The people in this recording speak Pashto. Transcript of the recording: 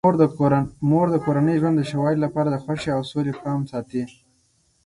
مور د کورني ژوند د ښه والي لپاره د خوښۍ او سولې پام ساتي.